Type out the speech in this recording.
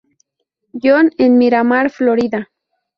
John en Miramar, Florida.